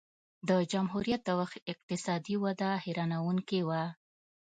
د جمهوریت د وخت اقتصادي وده حیرانوونکې وه.